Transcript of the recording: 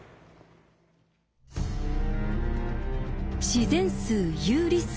自然数有理数